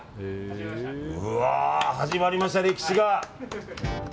始まりました、歴史が。